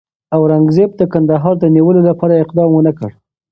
اورنګزېب د کندهار د نیولو لپاره اقدام ونه کړ.